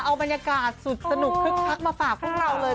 เอาบรรยากาศสุดสนุกคึกคักมาฝากพวกเราเลย